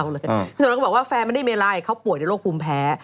พี่สมรักษ์บอกว่าแฟนไม่ได้เมไลน์เขาป่วยโรคภูมิแพ้